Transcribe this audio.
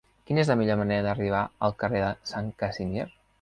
Quina és la millor manera d'arribar al carrer de Sant Casimir?